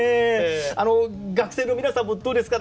あの学生の皆さんもどうですか？